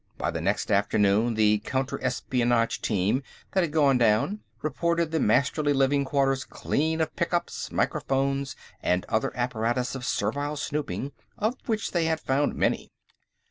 By the next afternoon, the counter espionage team that had gone down reported the Masterly living quarters clear of pickups, microphones, and other apparatus of servile snooping, of which they had found many.